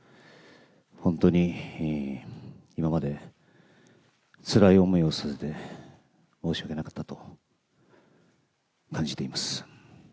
本当に今までつらい思いをさせて、申し訳なかったと感じています。